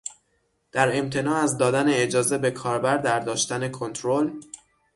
در امتناع از دادن اجازه به کاربر در داشتن کنترل